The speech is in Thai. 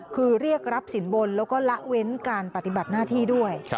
คือเรียกรับสินบนแล้วก็ละเว้นการปฏิบัติหน้าที่ด้วย